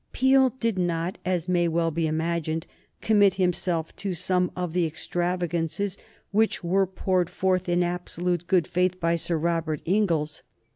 Peel did not, as may well be imagined, commit himself to some of the extravagances which were poured forth in absolute good faith by Sir Robert Inglis.